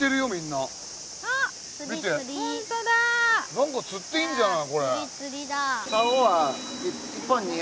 なんか、釣っていいんじゃない？